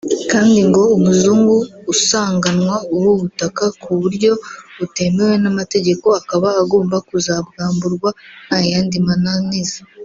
kandi ngo umuzungu usanganwa ubu butaka ku buryo butemewe n’amategeko akaba agomba kuzabwamburwa nta yandi mananiza